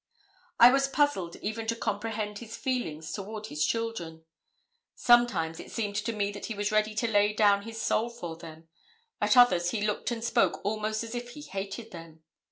I was puzzled even to comprehend his feelings toward his children. Sometimes it seemed to me that he was ready to lay down his soul for them; at others, he looked and spoke almost as if he hated them.